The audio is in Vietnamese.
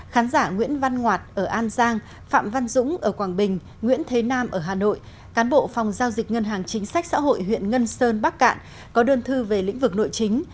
khán giả nguyễn văn ngoạt ở an giang phạm văn dũng ở quảng bình nguyễn thế nam ở hà nội cán bộ phòng giao dịch ngân hàng chính sách xã hội huyện ngân sơn bắc cạn có đơn thư về lĩnh vực nội chính